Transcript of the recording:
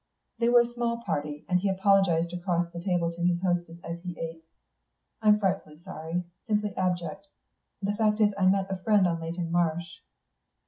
They were a small party, and he apologised across the table to his hostess as he ate. "I'm frightfully sorry; simply abject. The fact is, I met a friend on Leyton Marsh."